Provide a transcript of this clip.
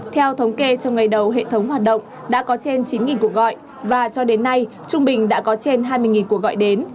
theo thống kê trong ngày đầu hệ thống hoạt động đã có trên chín cuộc gọi và cho đến nay trung bình đã có trên hai mươi cuộc gọi đến